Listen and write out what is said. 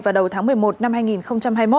vào đầu tháng một mươi một năm hai nghìn hai mươi một